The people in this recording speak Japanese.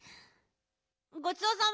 ごちそうさま。